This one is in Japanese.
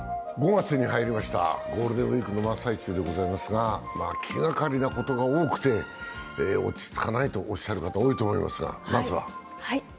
５月に入りました、ゴールデンウイークの真っ最中でございますが、気がかりなことが多くて落ち着かないとおっしゃる方、多いと思いますが。